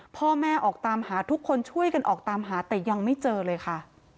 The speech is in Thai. พ่อแม่ออกตามหาทุกคนช่วยกันออกตามหาแต่ยังไม่เจอเลยค่ะ